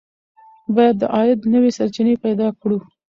باید د عاید نوې سرچینې پیدا کړو.